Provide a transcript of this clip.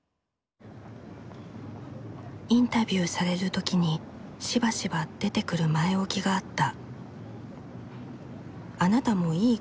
インタビューされる時にしばしば出てくる前置きがあった。